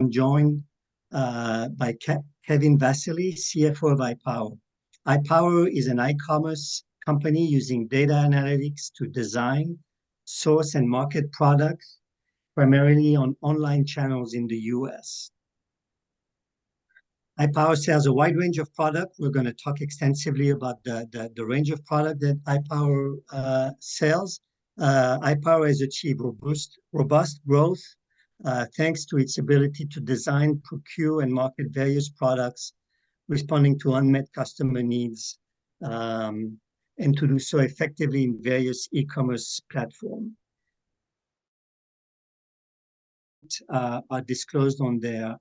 I'm joined by Kevin Vassily, CFO of iPower. iPower is an e-commerce company using data analytics to design, source, and market products, primarily on online channels in the US. iPower sells a wide range of products. We're going to talk extensively about the range of products that iPower sells. iPower has achieved robust growth thanks to its ability to design, procure, and market various products, responding to unmet customer needs, and to do so effectively in various e-commerce platforms. Are disclosed on their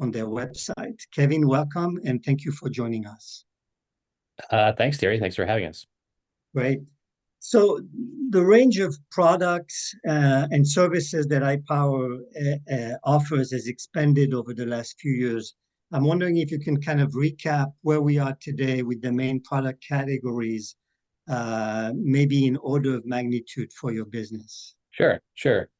website. Kevin, welcome, and thank you for joining us. Thanks, Thierry. Thanks for having us. Great. So the range of products and services that iPower offers has expanded over the last few years. I'm wondering if you can kind of recap where we are today with the main product categories, maybe in order of magnitude for your business. Sure. Sure.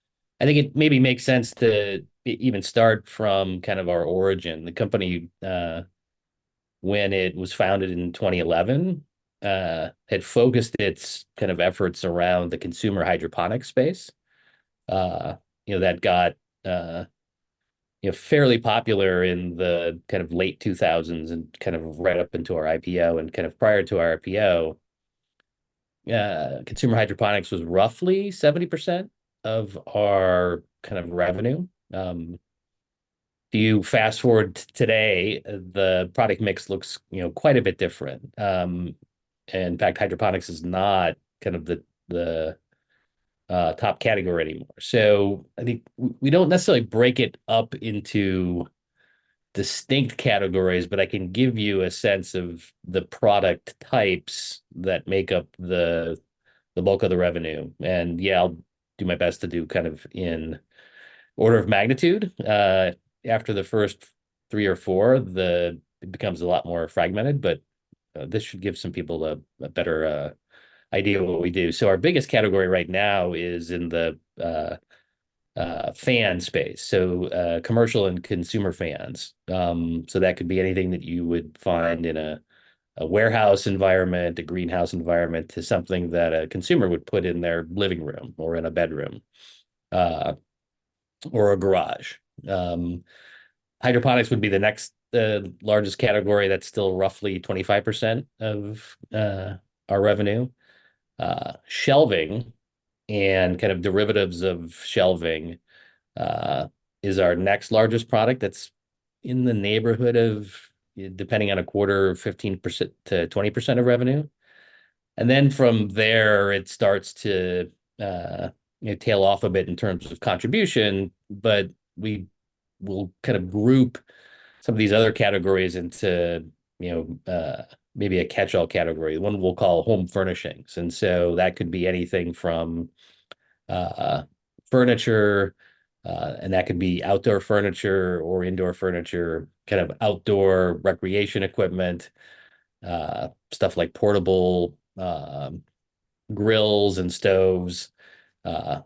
I think it maybe makes sense to even start from kind of our origin. The company, when it was founded in 2011, had focused its kind of efforts around the consumer hydroponics space that got fairly popular in the kind of late 2000s and kind of right up until our IPO and kind of prior to our IPO. consumer hydroponics was roughly 70% of our kind of revenue. If you fast-forward to today, the product mix looks quite a bit different. In fact, hydroponics is not kind of the top category anymore. So I think we don't necessarily break it up into distinct categories, but I can give you a sense of the product types that make up the bulk of the revenue. And yeah, I'll do my best to do kind of in order of magnitude. After the first three or four, it becomes a lot more fragmented, but this should give some people a better idea of what we do. So our biggest category right now is in the fan space, so commercial and consumer fans. So that could be anything that you would find in a warehouse environment, a greenhouse environment, to something that a consumer would put in their living room or in a bedroom or a garage. Hydroponics would be the next largest category. That's still roughly 25% of our revenue. Shelving and kind of derivatives of shelving is our next largest product. That's in the neighborhood of, depending on a quarter, 15%-20% of revenue. And then from there, it starts to tail off a bit in terms of contribution, but we'll kind of group some of these other categories into maybe a catch-all category. One we'll call home furnishings. That could be anything from furniture, and that could be outdoor furniture or indoor furniture, kind of outdoor recreation equipment, stuff like portable grills and stoves.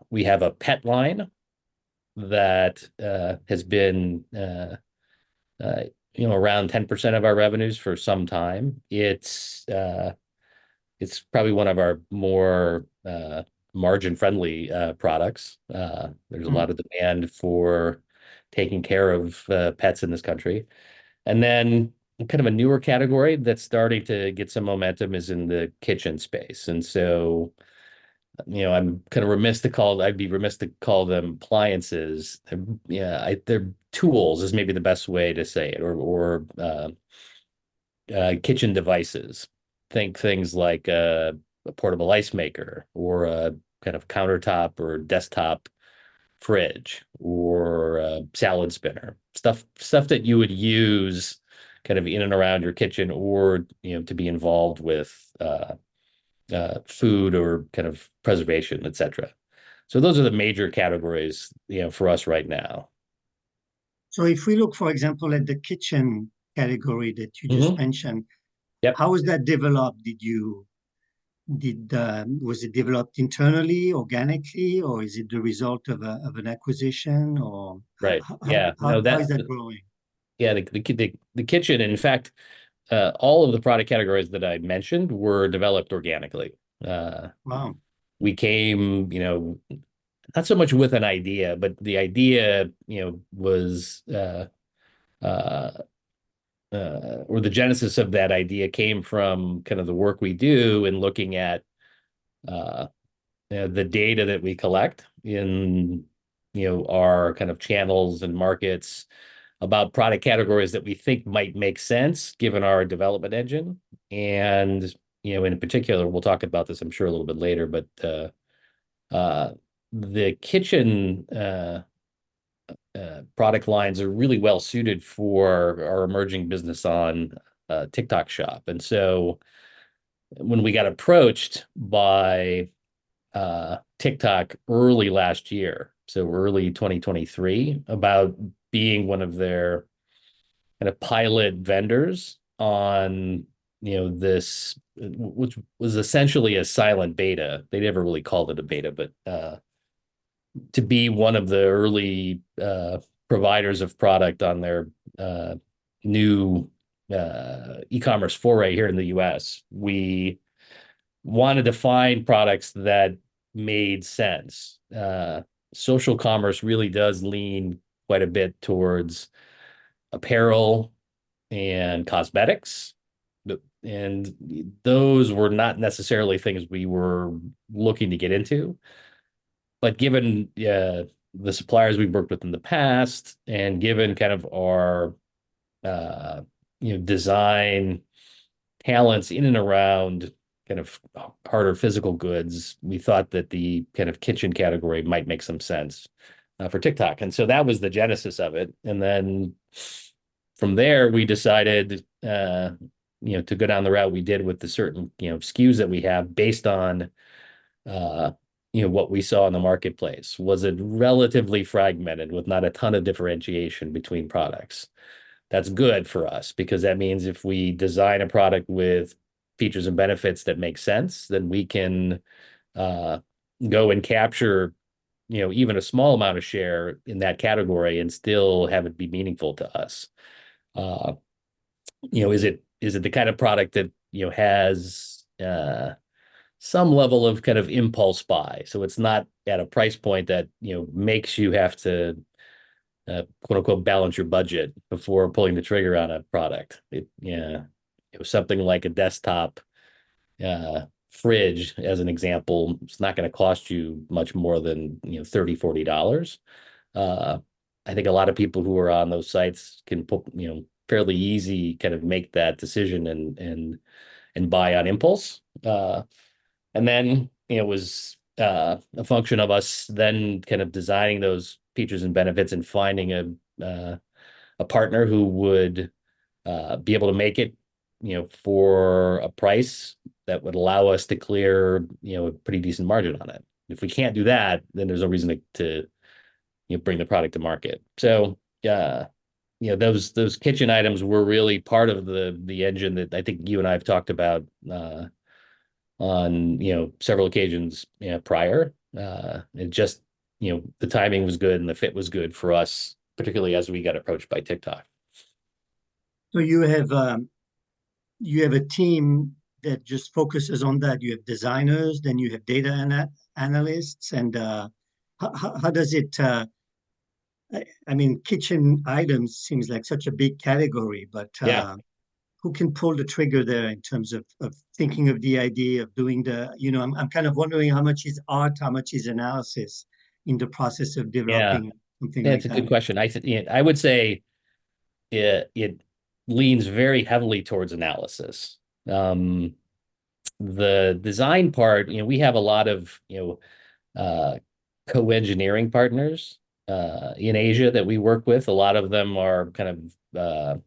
We have a pet line that has been around 10% of our revenues for some time. It's probably one of our more margin-friendly products. There's a lot of demand for taking care of pets in this country. And then kind of a newer category that's starting to get some momentum is in the kitchen space. And so I'd be remiss to call them appliances. Yeah, tools is maybe the best way to say it, or kitchen devices. Think things like a portable ice maker or a kind of countertop or desktop fridge or salad spinner, stuff that you would use kind of in and around your kitchen or to be involved with food or kind of preservation, etc. So those are the major categories for us right now. If we look, for example, at the kitchen category that you just mentioned, how was that developed? Was it developed internally, organically, or is it the result of an acquisition, or how is that growing? Yeah, the kitchen. In fact, all of the product categories that I mentioned were developed organically. We came not so much with an idea, but the idea was or the genesis of that idea came from kind of the work we do in looking at the data that we collect in our kind of channels and markets about product categories that we think might make sense given our development engine. And in particular, we'll talk about this, I'm sure, a little bit later, but the kitchen product lines are really well-suited for our emerging business on TikTok Shop. And so when we got approached by TikTok early last year, so early 2023, about being one of their kind of pilot vendors on this, which was essentially a silent beta. They never really called it a beta, but to be one of the early providers of product on their new e-commerce foray here in the U.S., we wanted to find products that made sense. Social commerce really does lean quite a bit towards apparel and cosmetics, and those were not necessarily things we were looking to get into. But given the suppliers we've worked with in the past and given kind of our design talents in and around kind of harder physical goods, we thought that the kind of kitchen category might make some sense for TikTok. And so that was the genesis of it. And then from there, we decided to go down the route we did with the certain SKUs that we have based on what we saw in the marketplace. Was it relatively fragmented with not a ton of differentiation between products? That's good for us because that means if we design a product with features and benefits that make sense, then we can go and capture even a small amount of share in that category and still have it be meaningful to us. Is it the kind of product that has some level of kind of impulse buy? So it's not at a price point that makes you have to, quote-unquote, "balance your budget" before pulling the trigger on a product. Yeah, something like a desktop fridge, as an example, it's not going to cost you much more than $30-$40. I think a lot of people who are on those sites can fairly easy kind of make that decision and buy on impulse. And then it was a function of us then kind of designing those features and benefits and finding a partner who would be able to make it for a price that would allow us to clear a pretty decent margin on it. If we can't do that, then there's no reason to bring the product to market. So yeah, those kitchen items were really part of the engine that I think you and I have talked about on several occasions prior. It's just the timing was good and the fit was good for us, particularly as we got approached by TikTok. So you have a team that just focuses on that. You have designers, then you have data analysts. And how does it, I mean, kitchen items seems like such a big category, but who can pull the trigger there in terms of thinking of the idea of doing the, I'm kind of wondering how much is art, how much is analysis in the process of developing something like that? Yeah, that's a good question. I would say it leans very heavily towards analysis. The design part, we have a lot of co-engineering partners in Asia that we work with. A lot of them are kind of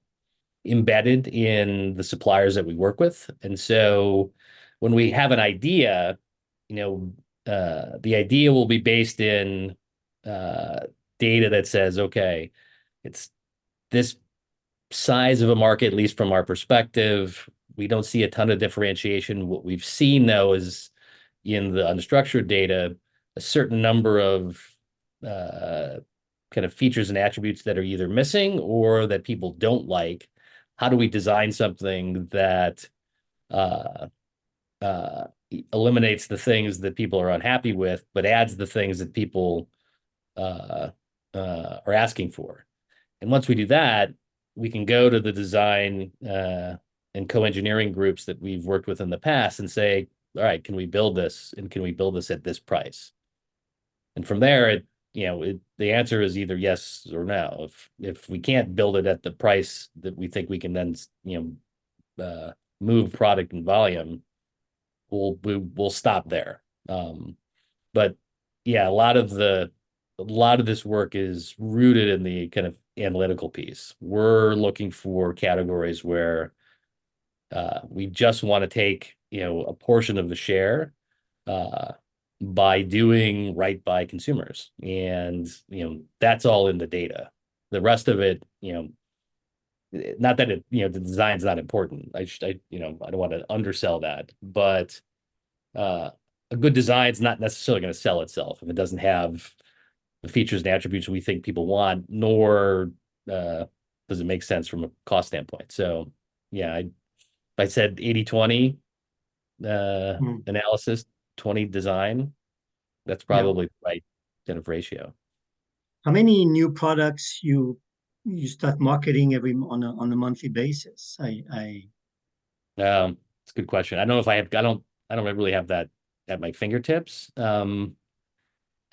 embedded in the suppliers that we work with. And so when we have an idea, the idea will be based in data that says, "Okay, it's this size of a market, at least from our perspective. We don't see a ton of differentiation." What we've seen, though, is in the unstructured data, a certain number of kind of features and attributes that are either missing or that people don't like. How do we design something that eliminates the things that people are unhappy with but adds the things that people are asking for? Once we do that, we can go to the design and co-engineering groups that we've worked with in the past and say, "All right, can we build this and can we build this at this price?" From there, the answer is either yes or no. If we can't build it at the price that we think we can then move product and volume, we'll stop there. But yeah, a lot of this work is rooted in the kind of analytical piece. We're looking for categories where we just want to take a portion of the share by doing right by consumers. That's all in the data. The rest of it, not that the design is not important. I don't want to undersell that. A good design is not necessarily going to sell itself if it doesn't have the features and attributes we think people want, nor does it make sense from a cost standpoint. Yeah, if I said 80/20 analysis, 20 design, that's probably the right kind of ratio. How many new products you start marketing on a monthly basis? That's a good question. I don't know if I have, I don't really have that at my fingertips. I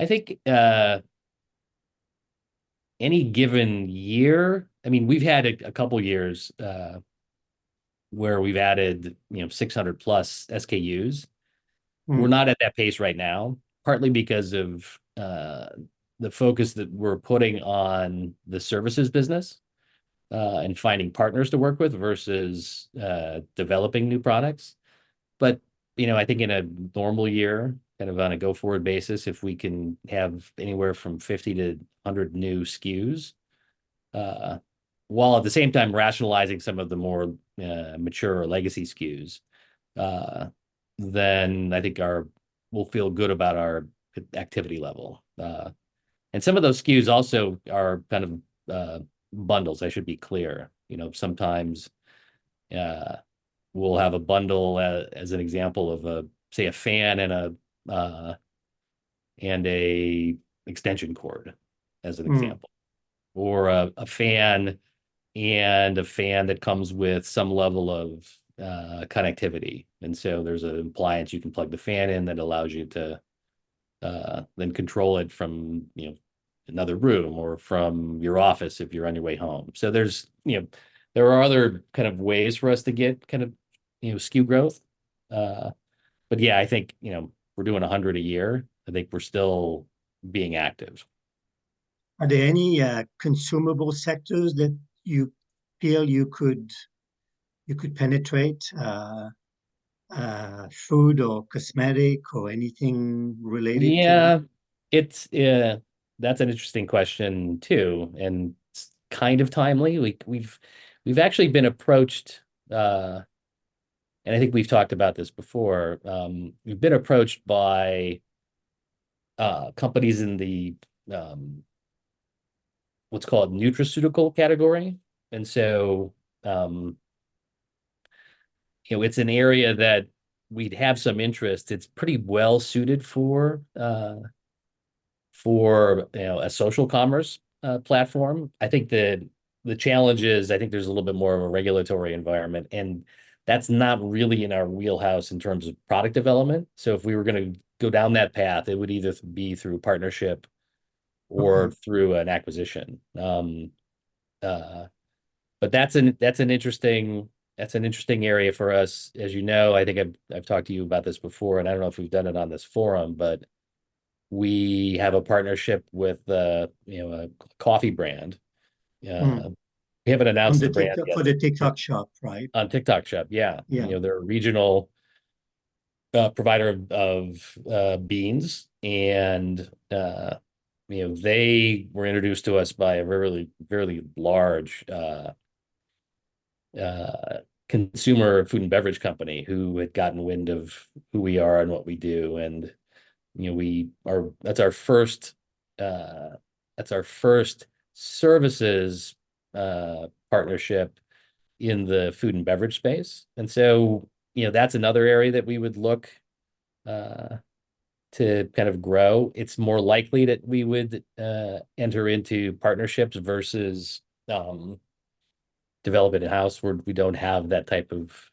think any given year, I mean, we've had a couple of years where we've added 600+ SKUs. We're not at that pace right now, partly because of the focus that we're putting on the services business and finding partners to work with versus developing new products. But I think in a normal year, kind of on a go-forward basis, if we can have anywhere from 50-100 new SKUs, while at the same time rationalizing some of the more mature legacy SKUs, then I think we'll feel good about our activity level. And some of those SKUs also are kind of bundles, I should be clear. Sometimes we'll have a bundle as an example of, say, a fan and an extension cord as an example, or a fan and a fan that comes with some level of connectivity. And so there's an appliance you can plug the fan in that allows you to then control it from another room or from your office if you're on your way home. So there are other kind of ways for us to get kind of SKU growth. But yeah, I think we're doing 100 a year. I think we're still being active. Are there any consumable sectors that you feel you could penetrate, food or cosmetic or anything related to? Yeah, that's an interesting question too. It's kind of timely. We've actually been approached, and I think we've talked about this before, we've been approached by companies in what's called the nutraceutical category. So it's an area that we'd have some interest. It's pretty well-suited for a social commerce platform. I think the challenge is, I think there's a little bit more of a regulatory environment, and that's not really in our wheelhouse in terms of product development. So if we were going to go down that path, it would either be through partnership or through an acquisition. But that's an interesting area for us. As you know, I think I've talked to you about this before, and I don't know if we've done it on this forum, but we have a partnership with a coffee brand. We haven't announced the brand yet. For the TikTok Shop, right? On TikTok Shop, yeah. They're a regional provider of beans, and they were introduced to us by a very, very large consumer food and beverage company who had gotten wind of who we are and what we do. And that's our first services partnership in the food and beverage space. And so that's another area that we would look to kind of grow. It's more likely that we would enter into partnerships versus develop it in-house where we don't have that type of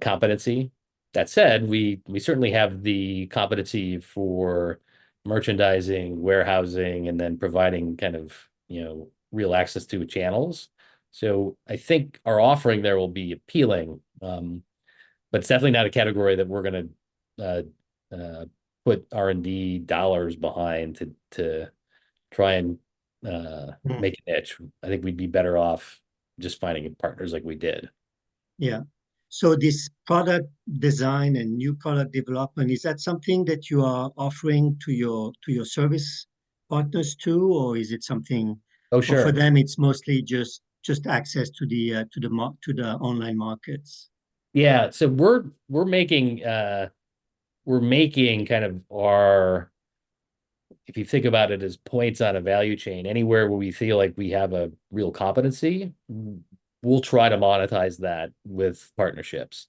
competency. That said, we certainly have the competency for merchandising, warehousing, and then providing kind of real access to channels. So I think our offering there will be appealing, but it's definitely not a category that we're going to put R&D dollars behind to try and make a niche. I think we'd be better off just finding partners like we did. Yeah. So this product design and new product development, is that something that you are offering to your service partners too, or is it something for them, it's mostly just access to the online markets? Yeah. So we're making kind of our, if you think about it as points on a value chain, anywhere where we feel like we have a real competency, we'll try to monetize that with partnerships.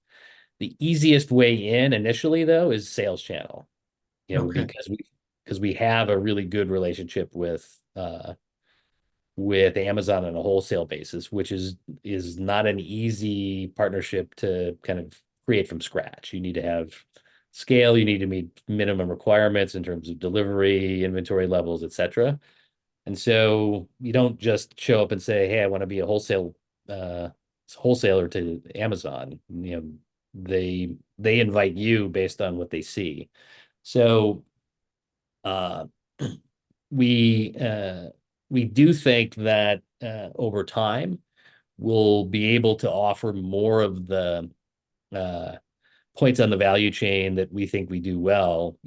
The easiest way in initially, though, is sales channel because we have a really good relationship with Amazon on a wholesale basis, which is not an easy partnership to kind of create from scratch. You need to have scale. You need to meet minimum requirements in terms of delivery, inventory levels, etc. And so you don't just show up and say, "Hey, I want to be a wholesale wholesaler to Amazon." They invite you based on what they see. So we do think that over time, we'll be able to offer more of the points on the value chain that we think we do well,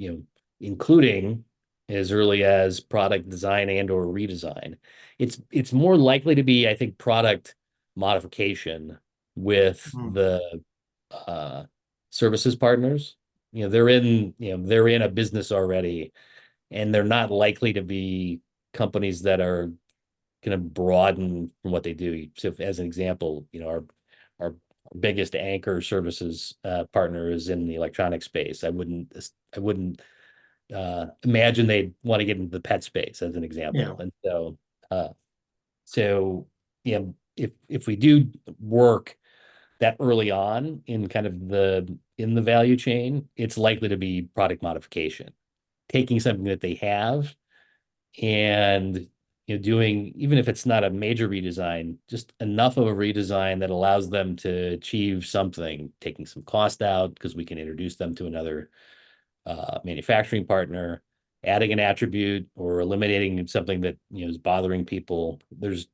including as early as product design and/or redesign. It's more likely to be, I think, product modification with the services partners. They're in a business already, and they're not likely to be companies that are going to broaden from what they do. So as an example, our biggest anchor services partner is in the electronic space. I wouldn't imagine they'd want to get into the pet space, as an example. And so if we do work that early on in kind of the value chain, it's likely to be product modification, taking something that they have and doing - even if it's not a major redesign - just enough of a redesign that allows them to achieve something, taking some cost out because we can introduce them to another manufacturing partner, adding an attribute, or eliminating something that is bothering people. There's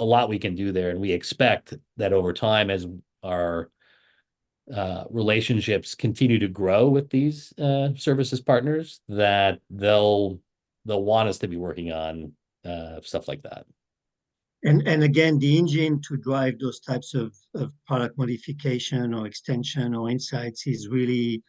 a lot we can do there. We expect that over time, as our relationships continue to grow with these services partners, that they'll want us to be working on stuff like that. Again, the engine to drive those types of product modification or extension or insights is really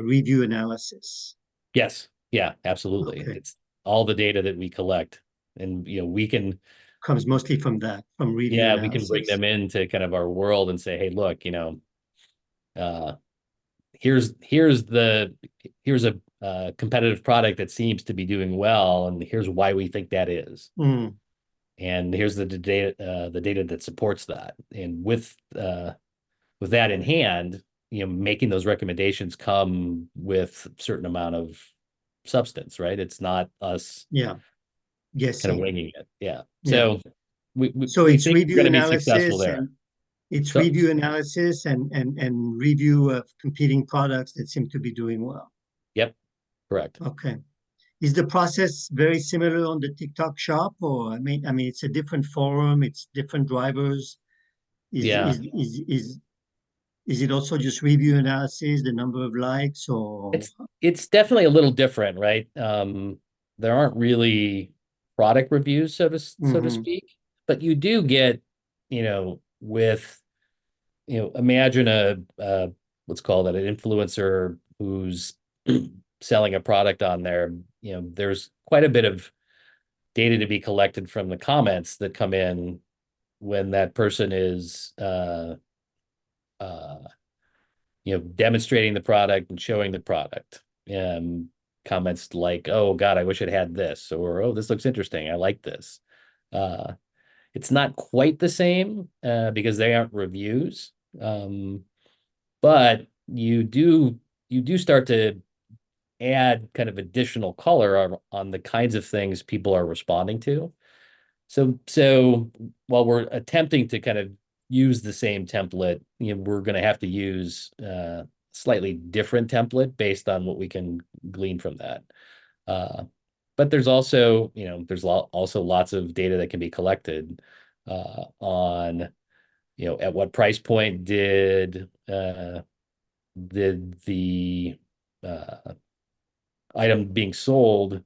review analysis? Yes. Yeah, absolutely. It's all the data that we collect. And we can. Comes mostly from that, from review analysis? Yeah, we can bring them into kind of our world and say, "Hey, look, here's a competitive product that seems to be doing well, and here's why we think that is. And here's the data that supports that." And with that in hand, making those recommendations come with a certain amount of substance, right? It's not us kind of winging it. Yeah. So we. It's review analysis. It's successful there. It's review analysis and review of competing products that seem to be doing well. Yep. Correct. Okay. Is the process very similar on the TikTok Shop, or? I mean, it's a different forum. It's different drivers. Is it also just review analysis, the number of likes, or? It's definitely a little different, right? There aren't really product reviews, so to speak. But you do get with—imagine a, what's called that?—an influencer who's selling a product on there. There's quite a bit of data to be collected from the comments that come in when that person is demonstrating the product and showing the product, comments like, "Oh, God, I wish it had this," or, "Oh, this looks interesting. I like this." It's not quite the same because they aren't reviews. But you do start to add kind of additional color on the kinds of things people are responding to. So while we're attempting to kind of use the same template, we're going to have to use a slightly different template based on what we can glean from that. But there's also lots of data that can be collected on at what price point did the item being sold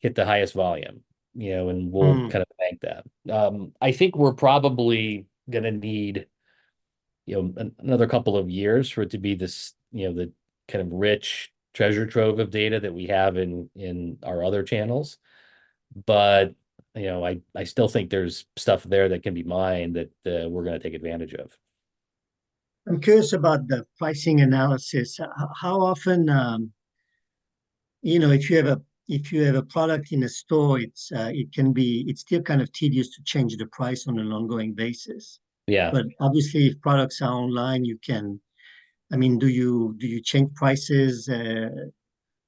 hit the highest volume, and we'll kind of rank that. I think we're probably going to need another couple of years for it to be the kind of rich treasure trove of data that we have in our other channels. But I still think there's stuff there that can be mined that we're going to take advantage of. I'm curious about the pricing analysis. How often, if you have a product in a store, it can be, it's still kind of tedious to change the price on an ongoing basis. But obviously, if products are online, you can, I mean, do you change prices?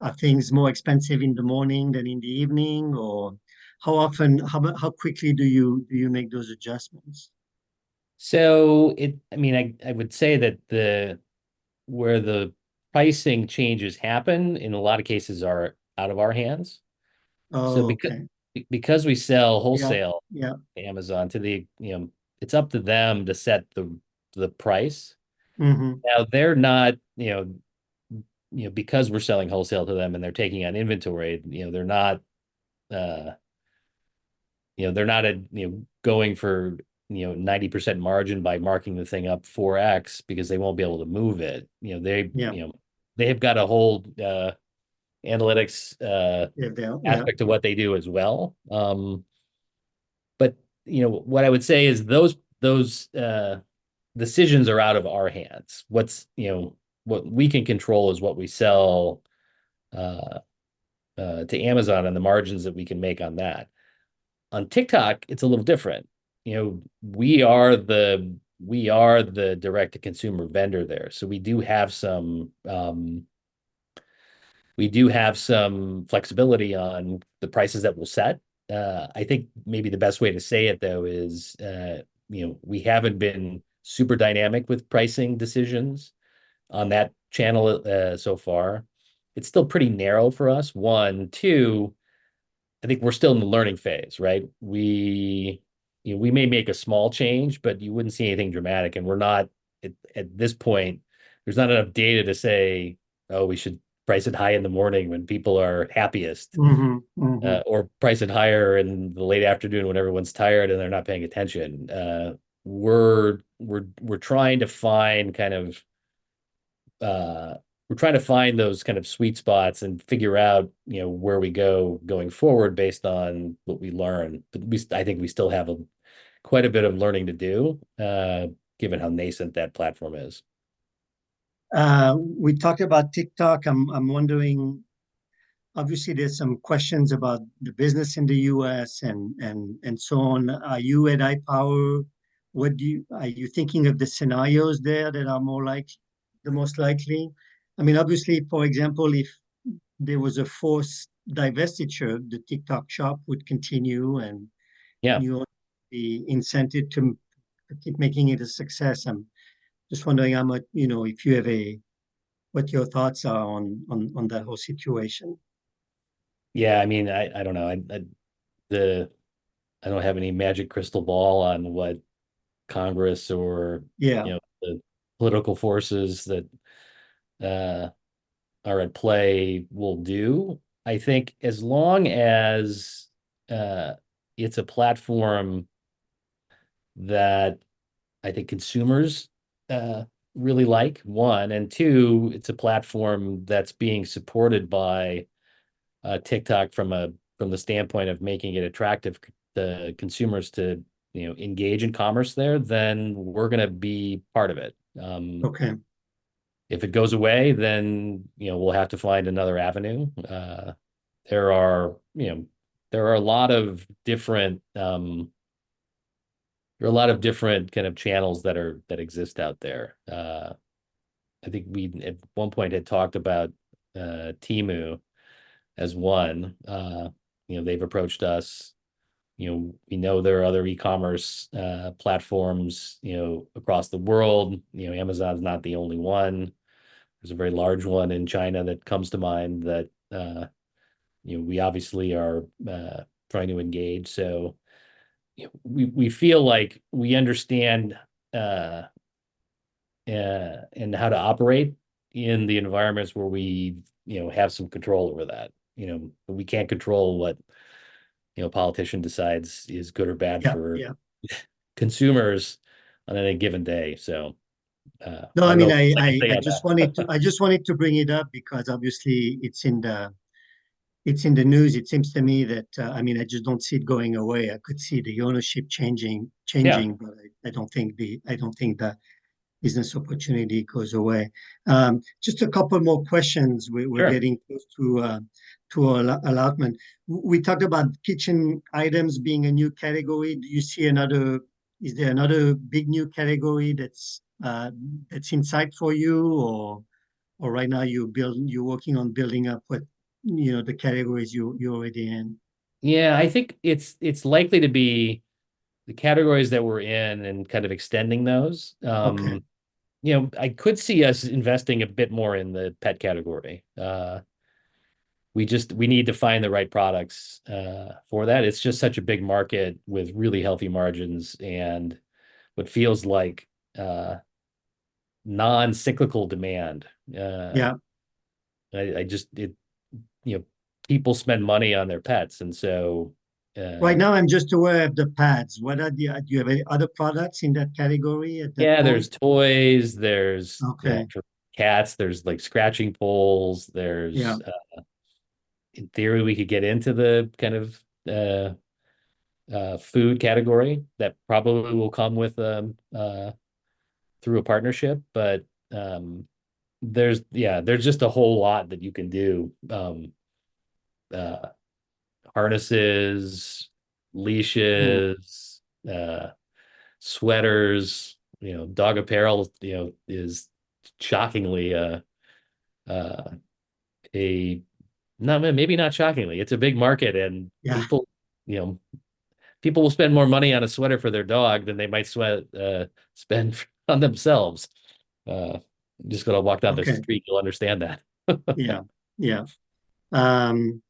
Are things more expensive in the morning than in the evening, or how quickly do you make those adjustments? So I mean, I would say that where the pricing changes happen, in a lot of cases, are out of our hands. So because we sell wholesale to Amazon, it's up to them to set the price. Now, they're not, because we're selling wholesale to them and they're taking on inventory, they're not going for 90% margin by marking the thing up 4x because they won't be able to move it. They have got a whole analytics aspect to what they do as well. But what I would say is those decisions are out of our hands. What we can control is what we sell to Amazon and the margins that we can make on that. On TikTok, it's a little different. We are the direct-to-consumer vendor there. So we do have some—we do have some flexibility on the prices that we'll set. I think maybe the best way to say it, though, is we haven't been super dynamic with pricing decisions on that channel so far. It's still pretty narrow for us. One. Two, I think we're still in the learning phase, right? We may make a small change, but you wouldn't see anything dramatic. And at this point, there's not enough data to say, "Oh, we should price it high in the morning when people are happiest," or price it higher in the late afternoon when everyone's tired and they're not paying attention. We're trying to find those kind of sweet spots and figure out where we go forward based on what we learn. But I think we still have quite a bit of learning to do, given how nascent that platform is. We talked about TikTok. I'm wondering, obviously, there's some questions about the business in the U.S. and so on. Are you at iPower? Are you thinking of the scenarios there that are the most likely? I mean, obviously, for example, if there was a forced divestiture, the TikTok Shop would continue, and you would be incented to keep making it a success. I'm just wondering if you have what your thoughts are on that whole situation. Yeah. I mean, I don't know. I don't have any magic crystal ball on what Congress or the political forces that are at play will do. I think as long as it's a platform that I think consumers really like, one. And two, it's a platform that's being supported by TikTok from the standpoint of making it attractive to consumers to engage in commerce there, then we're going to be part of it. If it goes away, then we'll have to find another avenue. There are a lot of different kinds of channels that exist out there. I think we, at one point, had talked about Temu as one. They've approached us. We know there are other e-commerce platforms across the world. Amazon's not the only one. There's a very large one in China that comes to mind that we obviously are trying to engage. So we feel like we understand how to operate in the environments where we have some control over that. But we can't control what a politician decides is good or bad for consumers on any given day, so. No, I mean, I just wanted to bring it up because, obviously, it's in the news. It seems to me that—I mean, I just don't see it going away. I could see the ownership changing, but I don't think the business opportunity goes away. Just a couple more questions. We're getting close to our allotment. We talked about kitchen items being a new category. Do you see another—is there another big new category that's in sight for you, or right now you're working on building up with the categories you're already in? Yeah. I think it's likely to be the categories that we're in and kind of extending those. I could see us investing a bit more in the pet category. We need to find the right products for that. It's just such a big market with really healthy margins and what feels like non-cyclical demand. People spend money on their pets, and so. Right now, I'm just aware of the pads. Do you have any other products in that category? Yeah. There's toys. There's cat trees. There's scratching poles. In theory, we could get into the kind of food category that probably will come with them through a partnership. But yeah, there's just a whole lot that you can do: harnesses, leashes, sweaters. Dog apparel is shockingly a—no, maybe not shockingly. It's a big market, and people will spend more money on a sweater for their dog than they might spend on themselves. Just because I walked down the street, you'll understand that. Yeah. Yeah. And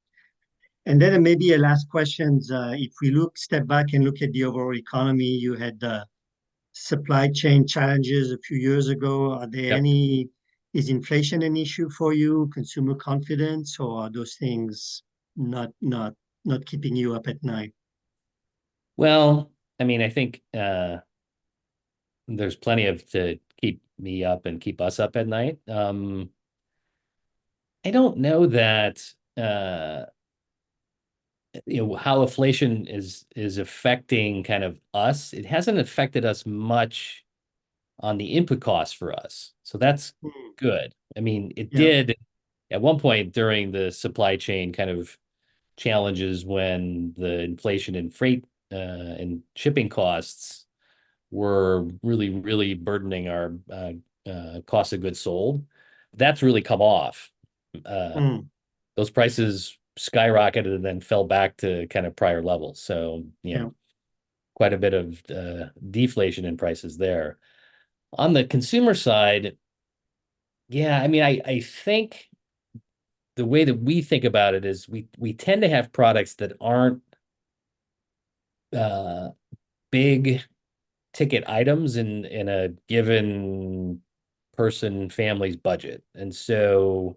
then maybe a last question. If we step back and look at the overall economy, you had supply chain challenges a few years ago. Is inflation an issue for you, consumer confidence, or are those things not keeping you up at night? Well, I mean, I think there's plenty to keep me up and keep us up at night. I don't know how inflation is affecting kind of us. It hasn't affected us much on the input costs for us, so that's good. I mean, it did at one point during the supply chain kind of challenges when the inflation in freight and shipping costs were really, really burdening our cost of goods sold. That's really come off. Those prices skyrocketed and then fell back to kind of prior levels. So quite a bit of deflation in prices there. On the consumer side, yeah, I mean, I think the way that we think about it is we tend to have products that aren't big-ticket items in a given person, family's budget. So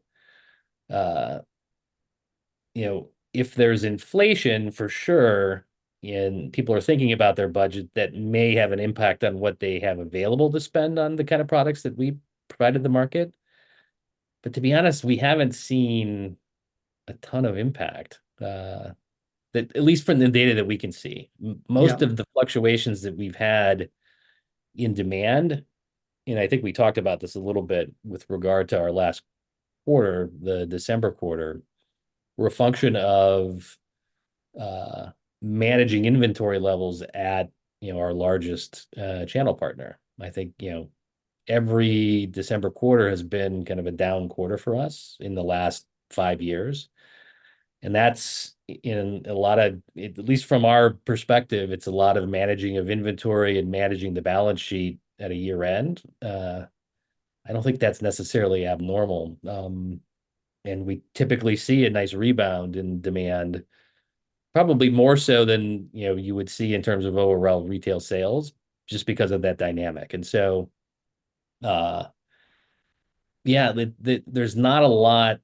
if there's inflation, for sure, and people are thinking about their budget, that may have an impact on what they have available to spend on the kind of products that we provide to the market. But to be honest, we haven't seen a ton of impact, at least from the data that we can see. Most of the fluctuations that we've had in demand, and I think we talked about this a little bit with regard to our last quarter, the December quarter, were a function of managing inventory levels at our largest channel partner. I think every December quarter has been kind of a down quarter for us in the last five years. That's, in a lot of, at least from our perspective, it's a lot of managing of inventory and managing the balance sheet at a year-end. I don't think that's necessarily abnormal. We typically see a nice rebound in demand, probably more so than you would see in terms of overall retail sales, just because of that dynamic. And so yeah, there's not a lot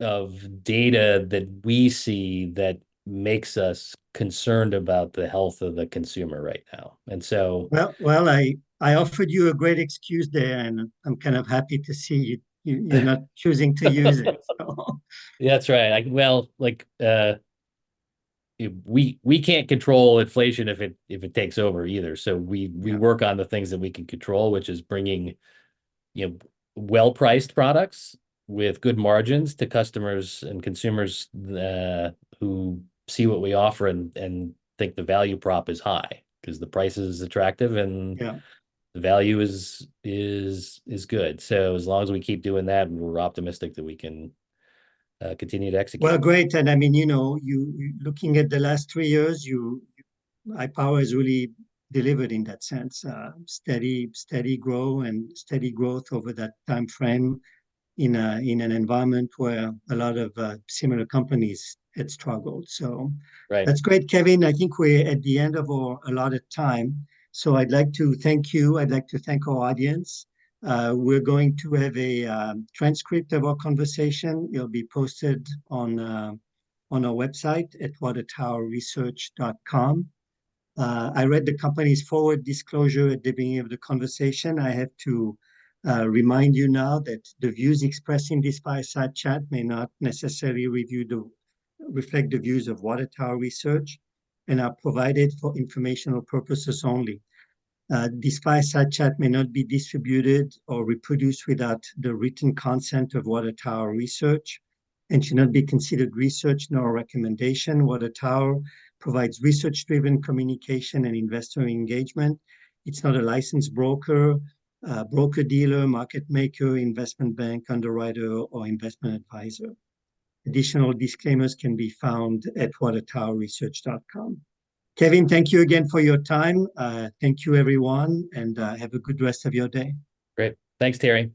of data that we see that makes us concerned about the health of the consumer right now. And so. Well, I offered you a great excuse there, and I'm kind of happy to see you're not choosing to use it, so. That's right. Well, we can't control inflation if it takes over either. So we work on the things that we can control, which is bringing well-priced products with good margins to customers and consumers who see what we offer and think the value prop is high because the price is attractive and the value is good. So as long as we keep doing that, we're optimistic that we can continue to execute. Well, great. And I mean, looking at the last three years, iPower has really delivered in that sense: steady growth over that time frame in an environment where a lot of similar companies had struggled. So that's great, Kevin. I think we're at the end of our allotted time. So I'd like to thank you. I'd like to thank our audience. We're going to have a transcript of our conversation. It'll be posted on our website at watertowerresearch.com. I read the company's forward disclosure at the beginning of the conversation. I have to remind you now that the views expressed in this fireside chat may not necessarily reflect the views of Water Tower Research and are provided for informational purposes only. This fireside chat may not be distributed or reproduced without the written consent of Water Tower Research and should not be considered research nor a recommendation. Research provides research-driven communication and investor engagement. It's not a licensed broker, broker-dealer, market maker, investment bank underwriter, or investment advisor. Additional disclaimers can be found at watertowerresearch.com. Kevin, thank you again for your time. Thank you, everyone, and have a good rest of your day. Great. Thanks, Thierry.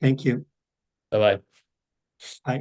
Thank you. Bye-bye. Bye.